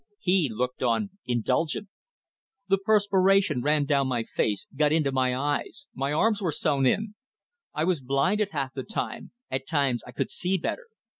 He looked on, indulgent. The perspiration ran down my face, got into my eyes my arms were sewn in. I was blinded half the time; at times I could see better.